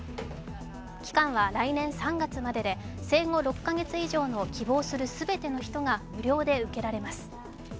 期間は来年３月までで生後６か月以上の希望する全ての人が無料で受けられます。